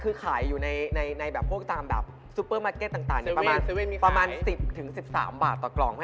คือขายอยู่ในแบบพวกตามแบบซุปเปอร์มาร์เก็ตต่างประมาณ๑๐๑๓บาทต่อกล่อง